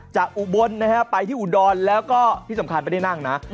อุบลนะฮะไปที่อุดรแล้วก็ที่สำคัญไม่ได้นั่งนะ